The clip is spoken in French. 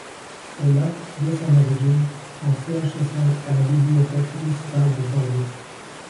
Elle a, dès son origine, son siège social à la Bibliothèque municipale de Bordeaux.